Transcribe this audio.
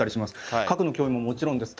核の脅威ももちろんです。